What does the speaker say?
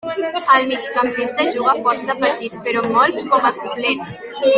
El migcampista juga força partits, però molts com a suplent.